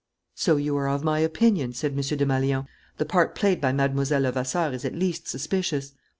"So you are of my opinion?" said M. Desmalions. "The part played by Mlle. Levasseur is at least suspicious."